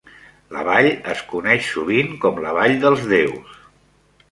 La vall es coneix sovint com la "Vall dels Déus".